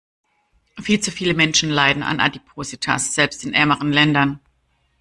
Viel zu viele Menschen leiden an Adipositas, selbst in ärmeren Ländern.